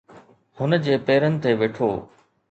هن جي پيرن تي ويٺو.